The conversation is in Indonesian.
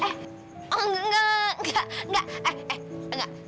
eh oh enggak enggak enggak enggak eh eh enggak